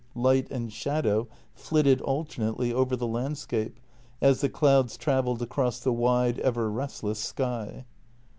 Light and shadow flitted alternately over the landscape as the clouds travelled across the wide, ever rest less sky.